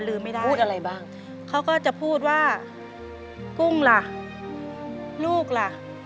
เปลี่ยนเพลงเพลงเก่งของคุณและข้ามผิดได้๑คำ